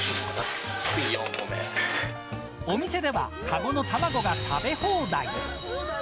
お店ではかごの卵が食べ放題。